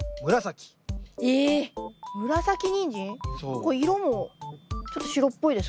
これ色もちょっと白っぽいですか？